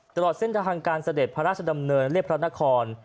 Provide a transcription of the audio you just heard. ตลอดเส้นทางการเสด็จพระราชดำเนินเรียบพระนคร